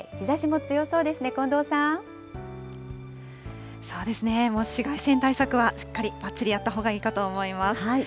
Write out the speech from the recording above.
もう紫外線対策はしっかりばっちりやったほうがいいかと思います。